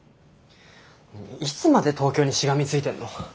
いつまで東京にしがみついてんの。